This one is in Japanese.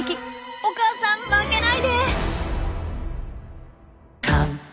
お母さん負けないで！